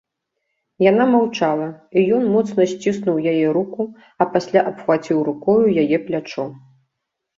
Яна маўчала, і ён моцна сціснуў яе руку, а пасля абхваціў рукою яе плячо.